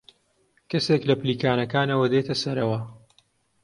کەسێک لە پلیکانەکانەوە دێتە سەرەوە.